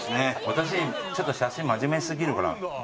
私ちょっと写真真面目すぎるから。